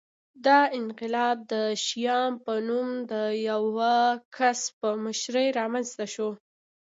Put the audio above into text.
دا انقلاب د شیام په نوم د یوه کس په مشرۍ رامنځته شو